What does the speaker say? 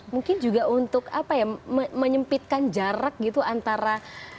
mungkin juga untuk apa ya menyempitkan jarak gitu antara